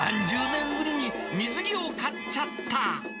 ３０年ぶりに水着を買っちゃった。